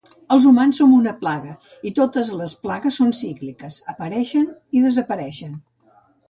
Els humans som una plaga i totes les plagues són cícliques apareixen i desapareixen